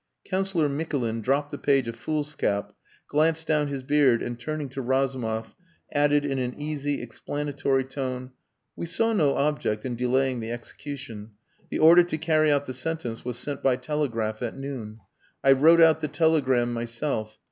Councillor Mikulin dropped the page of foolscap, glanced down his beard, and turning to Razumov, added in an easy, explanatory tone "We saw no object in delaying the execution. The order to carry out the sentence was sent by telegraph at noon. I wrote out the telegram myself.